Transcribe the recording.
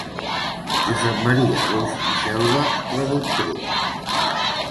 Josep Maria Boix i Selva, traductor.